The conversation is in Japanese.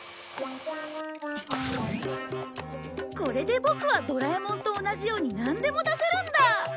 これでボクはドラえもんと同じようになんでも出せるんだ！